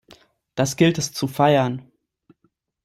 Das gilt es zu feiern!